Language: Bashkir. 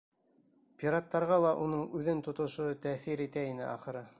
Пираттарға ла уның үҙен тотошо тәьҫир итә ине, ахыры.